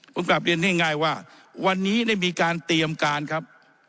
ผมกลับเรียนง่ายว่าวันนี้ได้มีการเตรียมการครับ